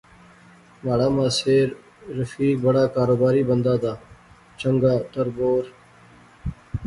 مہاڑا ماسیر رفیق بڑا کاروباری بندہ دا۔ چنگا تر بور